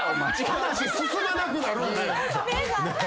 話進まなくなるんで。